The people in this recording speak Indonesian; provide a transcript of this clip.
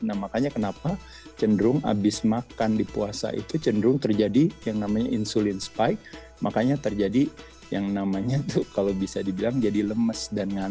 nah makanya kenapa cenderung abis makan di puasa itu cenderung terjadi yang namanya insulin spike makanya terjadi yang namanya tuh kalau bisa dibilang jadi lemestik